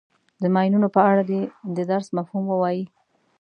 د ماینونو په اړه دې د درس مفهوم ووایي.